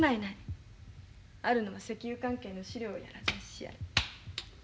あるのは石油関係の資料やら雑誌やら。